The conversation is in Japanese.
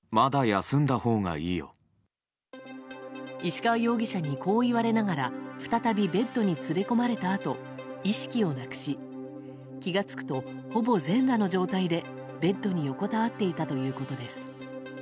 石川容疑者にこう言われながら再びベッドに連れ込まれたあと意識をなくし気が付くと、ほぼ全裸の状態でベッドに横たわっていたということです。